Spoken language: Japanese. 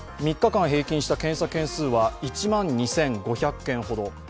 ３日間平均した検査件数は１万２５００件ほど。